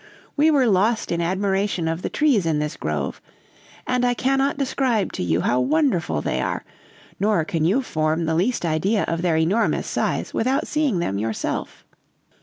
We were lost in admiration of the trees in this grove, and I cannot describe to you how wonderful they are, nor can you form the least idea of their enormous size without seeing them yourself.